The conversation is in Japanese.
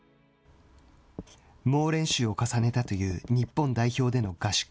猛練習を重ねたという日本代表での合宿。